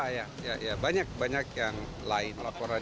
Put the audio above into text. ya banyak banyak yang lain laporan